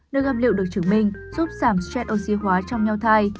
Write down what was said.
nước ép lựu được chứng minh giúp giảm stress oxy hóa trong nhau thai